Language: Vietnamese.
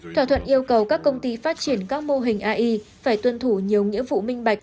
thỏa thuận yêu cầu các công ty phát triển các mô hình ai phải tuân thủ nhiều nghĩa vụ minh bạch